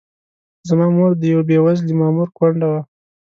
زما مور د یوه بې وزلي مامور کونډه وه.